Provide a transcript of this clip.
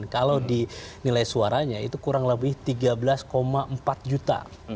kalau di nilai suaranya itu kurang lebih tiga belas empat juta